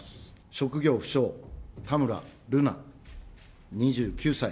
職業不詳、田村瑠奈２９歳。